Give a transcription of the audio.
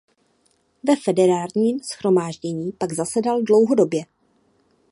Ve Federálním shromáždění pak zasedal dlouhodobě.